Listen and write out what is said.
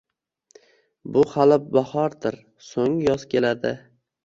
Bu hali bahordir, so‘ng yoz keladi